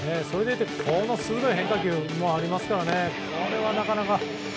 それでいて鋭い変化球もありますからこれはなかなか。